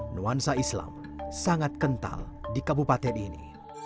nuansa islam sangat kental di kabupaten ini